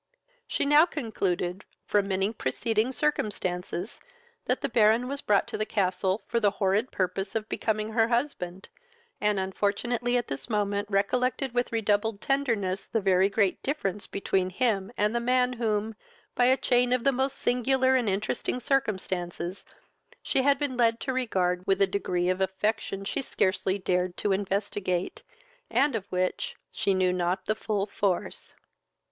She now concluded, from many preceding circumstances, that the Baron was brought to the castle for the horrid purpose of becoming her husband, and unfortunately at this moment recollected with redoubled tenderness the very great difference between him and the man whom, by a chain of the most singular and interesting circumstances, she had been led to regard with a degree of affection she scarcely dared to investigate, and of which she knew not the full force.